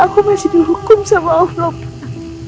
aku masih dihukum maaflah pak